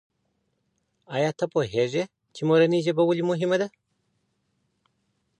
آیا ته پوهېږي چې مورنۍ ژبه ولې مهمه ده؟